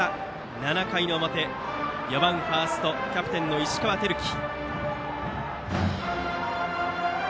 ７回の表打席は４番ファーストキャプテンの石川瑛貴。